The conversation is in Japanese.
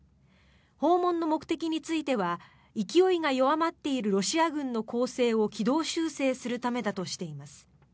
訪問の目的については勢いが弱まっているロシア軍の攻勢を軌道修正するためだとしています。